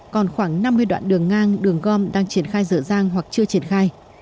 còn khoảng năm mươi đoạn đường ngang đường gom đang triển khai dở dang hoặc chưa triển khai